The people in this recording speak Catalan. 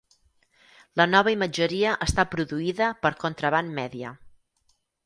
La nova imatgeria està produïda per Contraband Media.